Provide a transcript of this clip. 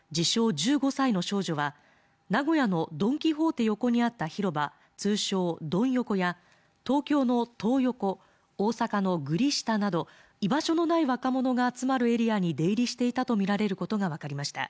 １５歳の少女は、名古屋のドン・キホーテ横にあった広場、通称ドン横や東京のトー横大阪のグリ下など居場所のない若者が集まるエリアに出入りしていたとみられることがわかりました。